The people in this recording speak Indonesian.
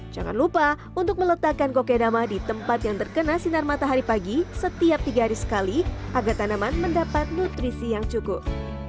jangan lupa untuk meletakkan kokedama di tempat yang terkena sinar matahari pagi setiap tiga hari sekali agar tanaman mendapat nutrisi yang cukup